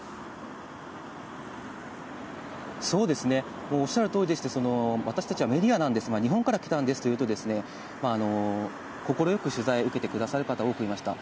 そうですね、おっしゃるとおりでして、私たちはメディアなんです、日本から来たんですと言うとですね、快く取材受けてくださる方多くいました。